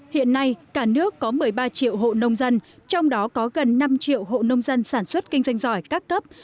hiện nay cả nước có một mươi ba triệu hộ nông dân trong đó có gần năm triệu hộ nông dân sản xuất kinh doanh giỏi các cấp